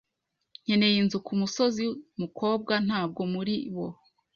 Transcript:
Nkeneye inzu kumusozi mukobwa ntabwo muri bo